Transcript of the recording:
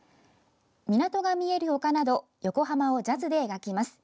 「港が見える丘」など横浜をジャズで描きます。